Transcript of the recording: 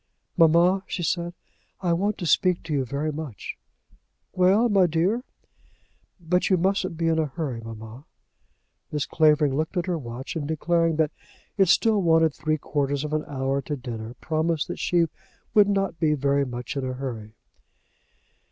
"Mamma," she said, "I want to speak to you very much." "Well, my dear?" "But you mustn't be in a hurry, mamma." Mrs. Clavering looked at her watch, and declaring that it still wanted three quarters of an hour to dinner, promised that she would not be very much in a hurry.